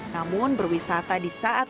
namun berwisata di saat